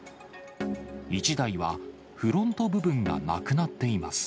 １台はフロント部分がなくなっています。